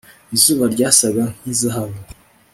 Izuba ryasaga nkizahabu